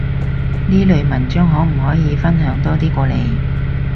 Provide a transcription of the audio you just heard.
呢類文章可唔可以分享多啲過嚟？